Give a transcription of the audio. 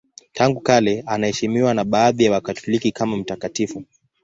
Tangu kale anaheshimiwa na baadhi ya Wakatoliki kama mtakatifu.